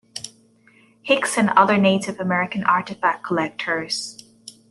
Hicks and other Native American artifact collectors.